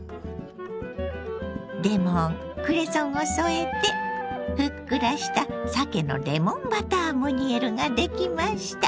レモンクレソンを添えてふっくらしたさけのレモンバタームニエルができました。